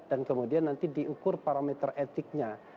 dan kemudian nanti diukur parameter etiknya